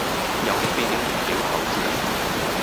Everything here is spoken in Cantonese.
有的變了魚鳥猴子，